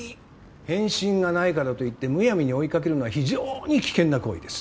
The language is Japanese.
返信がないからといってむやみに追いかけるのは非常に危険な行為です。